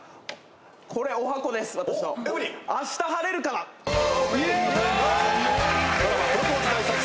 これおはこです私の。